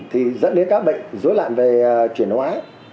thì dẫn đến các bệnh dối loạn về chuyển hóa